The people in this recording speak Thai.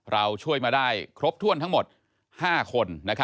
เราช่วยมาได้ครบถ้วนทั้งหมด๕คน